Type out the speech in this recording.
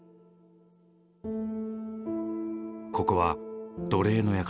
ここは「奴隷の館」。